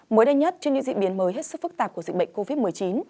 mới đây nhất trên những diễn biến mới hết sức phức tạp của dịch bệnh covid một mươi chín